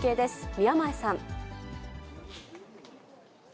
宮前さん。